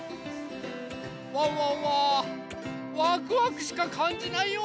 ワンワンはワクワクしかかんじないよ。